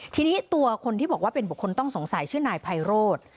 ทีนี้ตัวคนที่บอกว่าเป็นบุคคลต้องสงสัยชื่อนายไพโรธ